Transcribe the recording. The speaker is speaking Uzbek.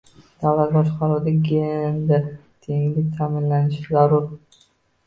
Davlat boshqaruvida gender tenglik ta’minlanishi zarur